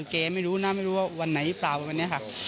แก่ไม่รู้น่าไม่รู้วันไหนหรือเปล่า